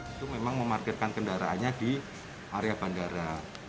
itu memang memarkirkan kendaraannya di area bandara